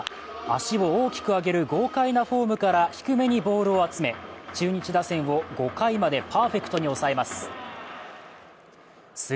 足を大きく上げる豪快なフォームから低めにボールを集め中日打線を５回までパーフェクトに抑えます。